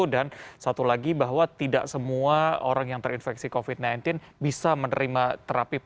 dan satu lagi bahwa tidak semua orang yang terinfeksi covid sembilan belas bisa menerima terapi plasma konvalesen ini ya